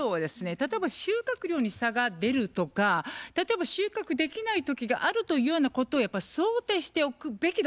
例えば収穫量に差が出るとか例えば収穫できない時があるというようなことをやっぱり想定しておくべきだと思うんですよね。